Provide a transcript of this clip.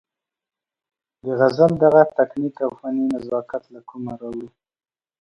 د غزل دغه تکنيک او فني نزاکت له کومه راوړو-